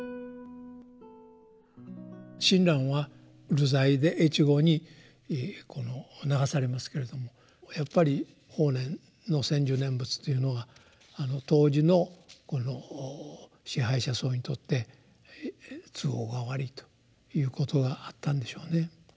親鸞は流罪で越後に流されますけれどもやっぱり法然の専修念仏というのが当時の支配者層にとって都合が悪いということがあったんでしょうね。